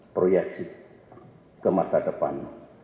proyeksi ke masa depan